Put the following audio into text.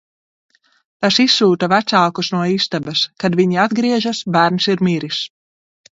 Tas izsūta vecākus no istabas. Kad viņi atgriežas, bērns ir miris.